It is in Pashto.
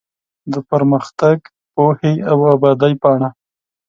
د پرمختګ ، پوهې او ابادۍ پاڼه